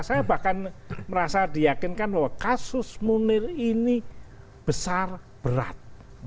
saya bahkan merasa diyakinkan bahwa kasus munir ini besar berat